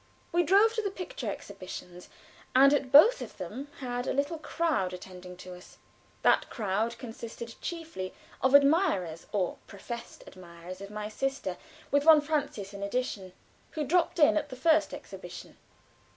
We drove to the picture exhibitions, and at both of them had a little crowd attending us. That crowd consisted chiefly of admirers, or professed admirers, of my sister, with von Francius in addition, who dropped in at the first exhibition.